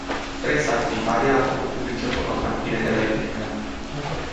Presa din Italia a făcut publice fotografiile de la eveniment.